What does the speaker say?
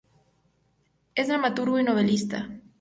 Es dramaturgo y novelista.